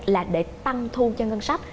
là để tăng thu cho ngân sách